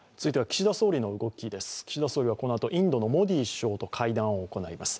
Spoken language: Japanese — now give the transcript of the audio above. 岸田総理はこのあとインドのモディ首相と会談を行います。